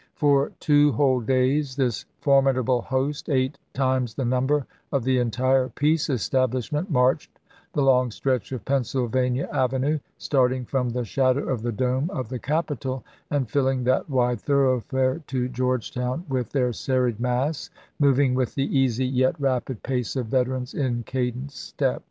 For two whole days this formidable host, eight times the number of the entire peace establishment, marched the long stretch of Pennsylvania Avenue, starting from the shadow of the dome of the Capitol, and filling that wide thoroughfare to Georgetown with their serried mass, moving with the easy, yet rapid pace of veterans in cadence step.